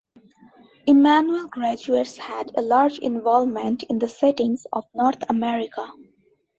Emmanuel graduates had a large involvement in the settling of North America.